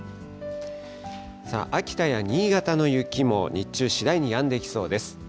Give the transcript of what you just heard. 秋田や新潟の雪も日中、次第にやんできそうです。